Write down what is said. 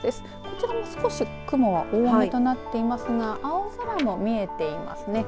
こちらも少し雲は多めになっていますが青空も見えていますね。